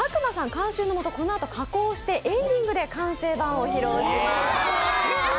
監修のもと、このあと加工してエンディングで完成版を披露します。